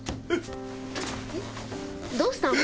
どうしたの？